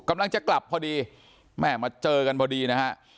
กำลังจะกลับพอดีแม่มาเจอกันพอดีนะฮะ